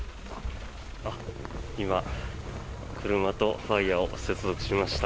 今、車とワイヤを接続しました。